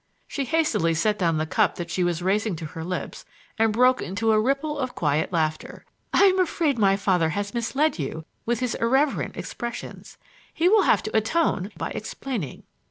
She hastily set down the cup that she was raising to her lips and broke into a ripple of quiet laughter. "I am afraid my father has misled you with his irreverent expressions. He will have to atone by explaining."